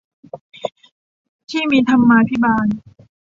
ที่มีธรรมาภิบาล